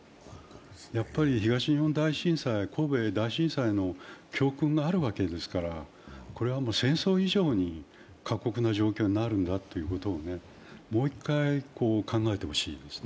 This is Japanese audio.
やっぱり東日本大震災、神戸大震災の教訓があるわけですからこれは戦争以上に過酷な状況になるんだということをもう１回、考えてほしいですね。